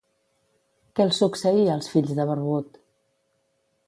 Què els succeïa als fills de Barbut?